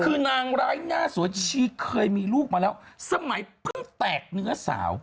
คือนางร้ายหน้าสวยชีเคยมีลูกมาแล้วสมัยเพิ่งแตกเนื้อสาว